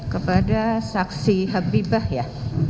kepada saksi habibah ya